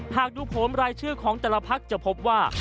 หากดูผลรายชื่อของแต่ละพักจะพบว่า